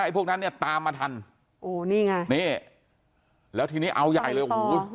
พวกนั้นเนี่ยตามมาทันโอ้นี่ไงนี่แล้วทีนี้เอาใหญ่เลยโอ้โห